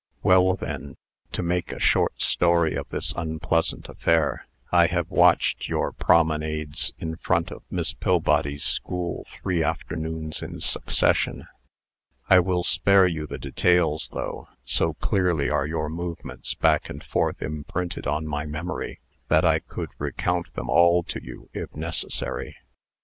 "Well, then, to make a short story of this unpleasant affair, I have watched your promenades in front of Miss Pillbody's school three afternoons in succession. I will spare you the details, though, so clearly are your movements back and forth imprinted on my memory, that I could recount them all to you, if necessary.